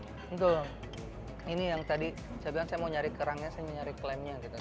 betul ini yang tadi saya bilang saya mau nyari kerangnya saya nyari klaimnya gitu